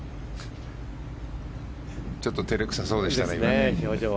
ちょっと照れくさそうでしたね。